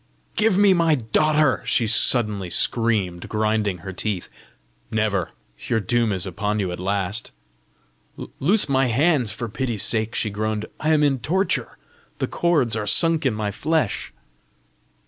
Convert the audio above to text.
"Give me my daughter," she suddenly screamed, grinding her teeth. "Never! Your doom is upon you at last!" "Loose my hands for pity's sake!" she groaned. "I am in torture. The cords are sunk in my flesh."